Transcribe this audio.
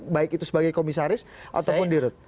baik itu sebagai komisaris ataupun dirut